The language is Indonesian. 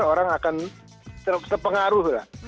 gambar orang akan terpengaruh lah